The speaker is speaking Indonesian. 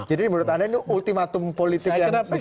jadi menurut anda ini ultimatum politik yang dicanda saja